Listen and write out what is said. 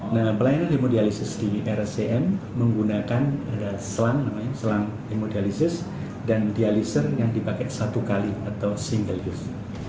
nah pelayanan hemodialisis di rscm menggunakan ada selang namanya selang hemodialisis dan dialiser yang dipakai satu kali atau single use